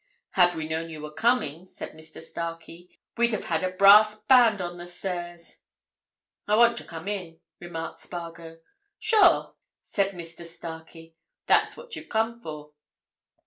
"Had we known you were coming," said Mr. Starkey, "we'd have had a brass band on the stairs." "I want to come in," remarked Spargo. "Sure!" said Mr. Starkey. "That's what you've come for."